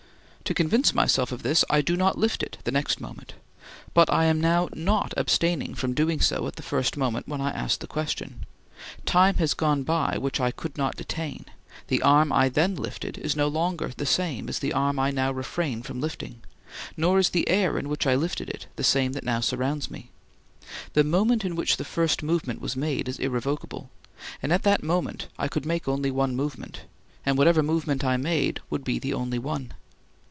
To convince myself of this I do not lift it the next moment. But I am not now abstaining from doing so at the first moment when I asked the question. Time has gone by which I could not detain, the arm I then lifted is no longer the same as the arm I now refrain from lifting, nor is the air in which I lifted it the same that now surrounds me. The moment in which the first movement was made is irrevocable, and at that moment I could make only one movement, and whatever movement I made would be the only one.